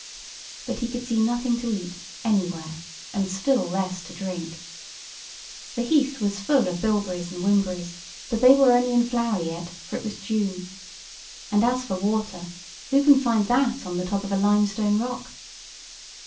But he could see nothing to eat anywhere, and still less to drink. The heath was full of bilberries and whimberries; but they were only in flower yet, for it was June. And as for water; who can find that on the top of a limestone rock?